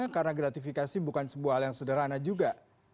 karena gratifikasi bukan sebuah hal yang sederhana juga